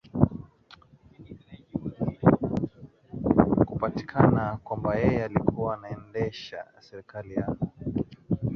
kupatikana kwamba yeye alikuwa anaendesha serikali ya